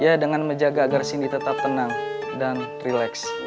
ya dengan menjaga agar cindy tetap tenang dan relax